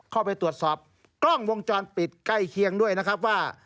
เข้าไปตรวจสอบกล้องวงจรปิดใกล้เคียงด้วยนะครับว่า